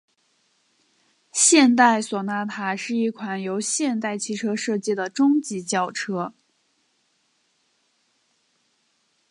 现代索纳塔是一款由现代汽车设计的中级轿车。